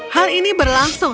hal ini berlangsung